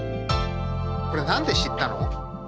これ何で知ったの？